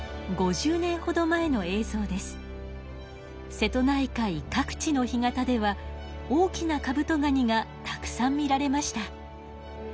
瀬戸内海各地の干潟では大きなカブトガニがたくさん見られました。